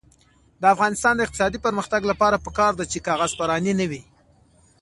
د افغانستان د اقتصادي پرمختګ لپاره پکار ده چې کاغذ پراني نه وي.